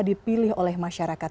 dipilih oleh masyarakat